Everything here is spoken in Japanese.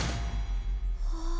ああ。